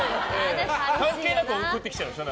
関係なく送ってきちゃうでしょ。